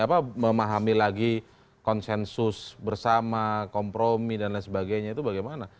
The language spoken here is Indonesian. apa memahami lagi konsensus bersama kompromi dan lain sebagainya itu bagaimana